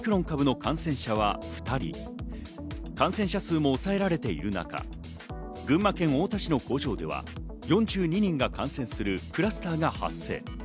感染者数も抑えられている中、群馬県太田市の工場では４２人が感染するクラスターが発生。